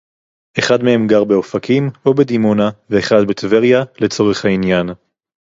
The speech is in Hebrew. אחד מהם גר באופקים או בדימונה ואחד בטבריה לצורך העניין